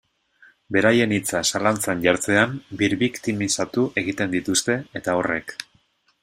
Beraien hitza zalantzan jartzean birbiktimizatu egiten dituzte, eta horrek.